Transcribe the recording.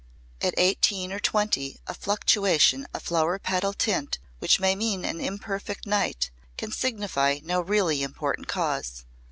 At eighteen or twenty a fluctuation of flower petal tint which may mean an imperfect night can signify no really important cause.